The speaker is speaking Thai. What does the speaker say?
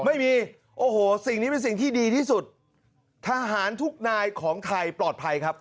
ไม่มีโอ้โหสิ่งนี้เป็นสิ่งที่ดีที่สุดทหารทุกนายของไทยปลอดภัยครับ